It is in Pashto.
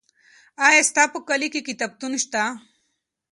آیا ستا په کلي کې کتابتون شته؟